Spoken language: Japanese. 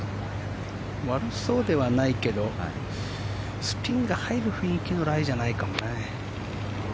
悪そうではないけどスピンが入る雰囲気のライじゃないかもね。